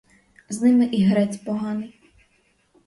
З ними і грець поганий.